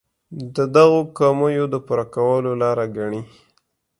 د دغو کمیو د پوره کولو لاره ګڼي.